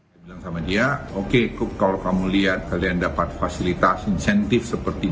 dia bilang sama dia oke kalau kamu lihat kalian dapat fasilitas insentif seperti